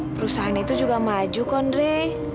perusahaan itu juga maju kondre